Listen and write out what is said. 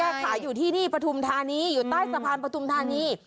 ขายอยู่ที่นี่ปฐุมธานีอยู่ใต้สะพานปฐุมธานี